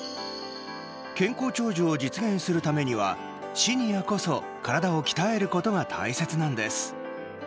健康長寿を実現するためにはシニアこそ体を鍛えることが大切なんです。